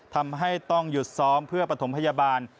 ทำให้ต้องหยุดซ้อมเพื่อปฐมพยาบาล